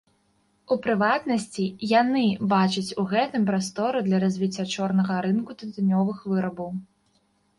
У прыватнасці, яны бачаць у гэтым прастору для развіцця чорнага рынку тытунёвых вырабаў.